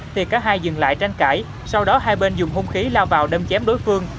thì cả hai dừng lại tranh cãi sau đó hai bên dùng hung khí lao vào đâm chém đối phương